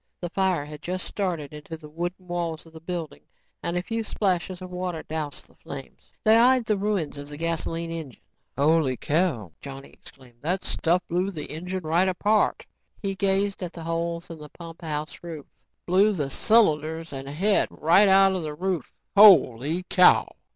The fire had just started into the wooden walls of the building and a few splashes of water doused the flames. They eyed the ruins of the gasoline engine. "Holy cow," Johnny exclaimed, "that stuff blew the engine right apart." He gazed up at the holes in the pumphouse roof. "Blew the cylinders and head right out the roof. Holy cow!"